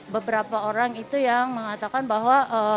beberapa orang itu yang mengatakan bahwa